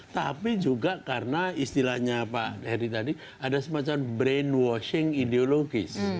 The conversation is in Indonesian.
tapi juga karena istilahnya pak heri tadi ada semacam brain washing ideologis